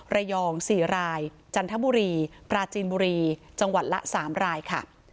ระยอง๔รายจันทบุรีปราจีนบุรีจังหวัดละ๓รายค่ะ